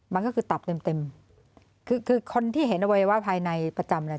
มันก็คือตับเต็มเต็มคือคือคนที่เห็นอวัยวะภายในประจำเนี่ย